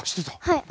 はい。